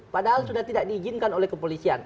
padahal sudah tidak diizinkan oleh kepolisian